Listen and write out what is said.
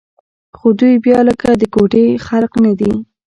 خو دوى بيا لکه د کوټې خلق نه دي.